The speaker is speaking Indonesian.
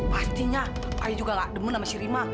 pastinya ayah juga enggak demun sama sirima